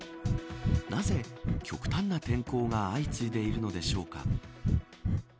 なぜ、極端な天候が相次いでいるのでしょうか。